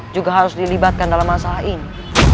juga harus dilibatkan dalam masalah ini